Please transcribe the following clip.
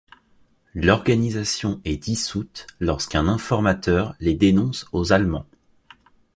L'organisation est dissoute lorsqu'un informateur les dénonce aux Allemands.